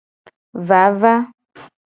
Vava.